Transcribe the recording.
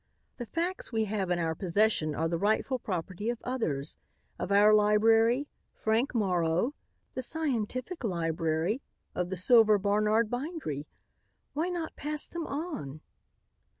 The facts we have in our possession are the rightful property of others, of our library, Frank Morrow, the scientific library, of the Silver Barnard bindery. Why not pass them on?"